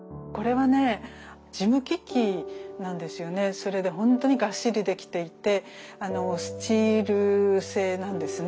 それでほんとにがっしりできていてスチール製なんですね。